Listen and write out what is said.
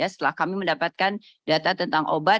setelah kami mendapatkan data tentang obat